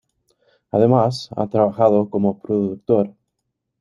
Además, ha trabajado como productor.